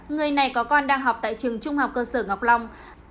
người này có con đang học tại trường trung học cơ sở ngọc long